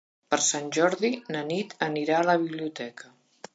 Per Sant Jordi na Nit anirà a la biblioteca.